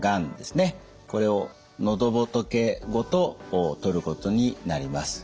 これを喉仏ごと取ることになります。